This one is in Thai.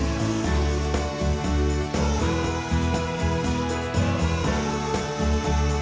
โปรดติดตามตอนต่อไป